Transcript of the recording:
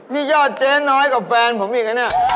นี่ยอดเจ๊น้อยกับแฟนผมอีก